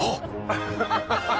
ハハハハ！